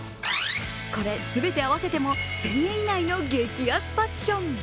これ全て合わせても１０００円以内の激安ファッション。